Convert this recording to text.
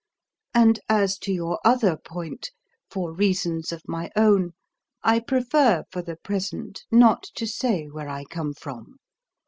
"And as to your other point, for reasons of my own, I prefer for the present not to say where I come from.